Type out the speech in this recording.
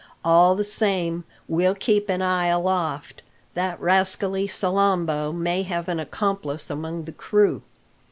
"All the same, we'll keep an eye aloft; that rascally Salambo may have an accomplice among the crew."